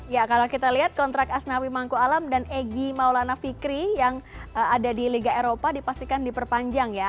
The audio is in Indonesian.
ya kalau kita lihat kontrak asnawi mangku alam dan egy maulana fikri yang ada di liga eropa dipastikan diperpanjang ya